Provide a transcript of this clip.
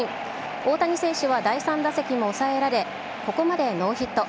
大谷選手は第３打席も抑えられ、ここまでノーヒット。